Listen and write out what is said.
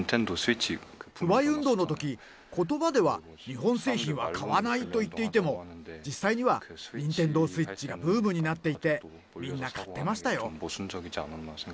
不買運動のとき、ことばでは日本製品は買わないと言っていても、実際には、ニンテンドースイッチがブームになっていて、みんな買ってましたよ。